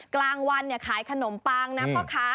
กลางวันขายขนมปังนะพ่อค้า